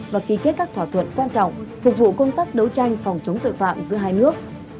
và ký kết các thỏa thuận quan trọng phục vụ công tác đấu tranh phòng chống tội phạm giữa hai nước